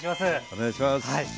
お願いします。